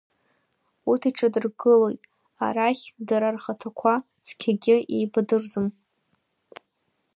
Урҭ еиҿадыргылоит, арахь дара рхаҭақәа цқьагьы еибадырӡом.